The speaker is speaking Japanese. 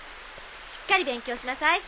しっかり勉強しなさい。